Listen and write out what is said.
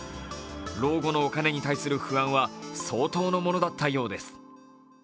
老後のお金に対する不安は相当なものだったようです。